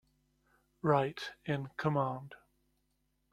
Wright in command.